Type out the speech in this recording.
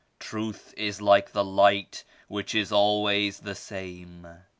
Truth is like the Light which is always the same.